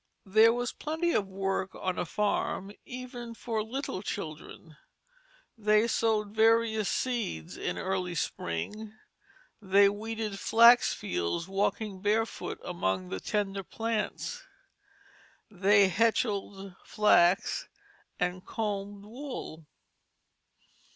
There was plenty of work on a farm even for little children; they sowed various seeds in early spring; they weeded flax fields, walking barefoot among the tender plants; they hetchelled flax and combed wool.